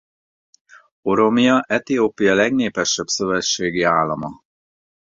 Oromia Etiópia legnépesebb szövetségi állama.